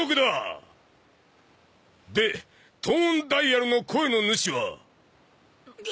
でトーンダイアルの声の主は？